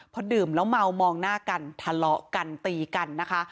พอดื่มแล้วเมามองหน้ากันทะเลาะกันตีกันนะคะ